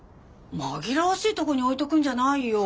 紛らわしいとこに置いとくんじゃないよ。